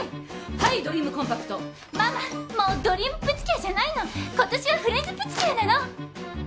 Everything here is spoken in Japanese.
はいドリームコンパクト「ママもうドリームプチキュアじゃないの今年はフレンズプチキュアなの」